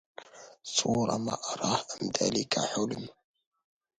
صورة ما أراه أم ذاك حلم